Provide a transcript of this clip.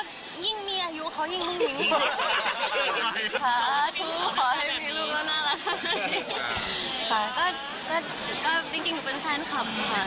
ก็จริงทุกคนเป็นแฟนคลับค่ะ